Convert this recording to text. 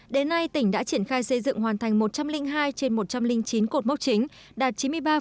đến nay tỉnh đã triển khai xây dựng hoàn thành một trăm linh hai trên một trăm linh chín cột mốc chính đạt chín mươi ba năm mươi bảy